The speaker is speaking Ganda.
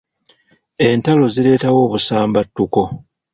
Entalo zireetawo obusambattuko.